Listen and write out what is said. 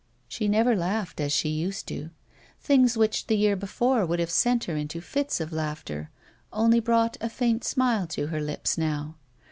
She never laughed as she used to ; things which, the year before, would have sent her into fits of laughter, only brought a faint smile to her lips now.